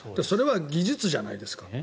それは技術じゃないですか。